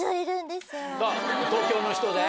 東京の人で？